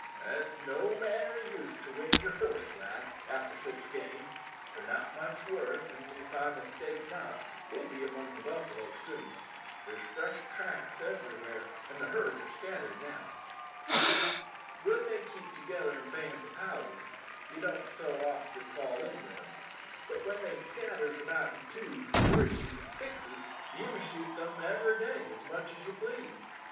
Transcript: "It's no manner o' use to wind yer horse, lad, after sich game. They're not much worth, an', if I mistake not, we'll be among the buffalo soon. There's fresh tracks everywhere, and the herds are scattered now. Ye see, when they keep together in bands o' thousands ye don't so often fall in wi' them. But when they scatters about in twos, an' threes, an' sixes ye may shoot them every day as much as ye please."